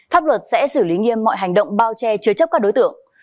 pháp luật sẽ xử lý nghiêm mọi hành động bao che chứa chấp các đối tượng